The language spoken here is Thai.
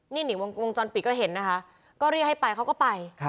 นี่นี่วงจรปิดก็เห็นนะคะก็เรียกให้ไปเขาก็ไป